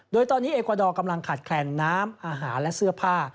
โดยตอนนี้เอกวาดอร์กำลังขาดแคลนน้ำอาหารและเสื้อผ้า